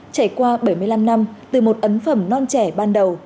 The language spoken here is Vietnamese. trải qua bảy mươi năm năm từ một ấn phẩm non trẻ ban đầu